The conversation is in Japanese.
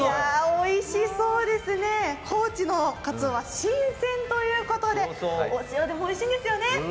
おいしそうですね、高知のかつおは新鮮ということでお塩でもおいしいんですよね。